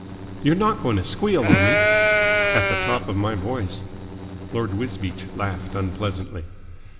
"You're not going to squeal on me?" "At the top of my voice." Lord Wisbeach laughed unpleasantly.